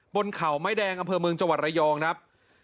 บนเขาไม้แดงอำเภอเมืองจังหวัดระยองครับ